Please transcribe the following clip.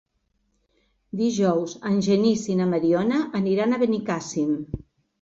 Dijous en Genís i na Mariona aniran a Benicàssim.